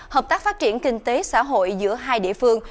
hợp tác phát triển kinh tế xã hội giữa hai địa phương